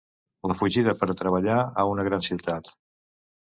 La fugida per a treballar a una gran ciutat.